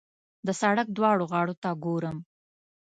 د سړک دواړو غاړو ته ګورم.